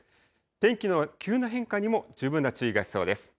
天気の急な変化にも十分な注意が必要です。